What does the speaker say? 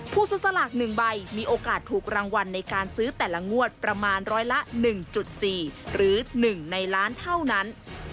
ผู้ซื้อสลาก๑ใบมีโอกาสถูกรางวัลในการซื้อแต่ละงวดประมาณร้อยละ๑๔หรือ๑ในล้านเท่านั้น